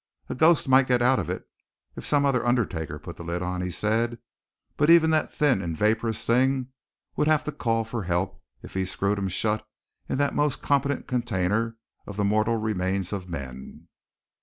A ghost might get out of it if some other undertaker put the lid on, he said, but even that thin and vaporous thing would have to call for help if he screwed him shut in that most competent container of the mortal remains of man.